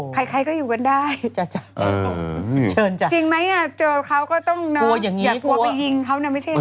โอ้โหใครก็อยู่กันได้จริงไหมอ่ะเจอเค้าก็ต้องเนาะอย่ากลัวไปยิงเค้านะไม่ใช่ไง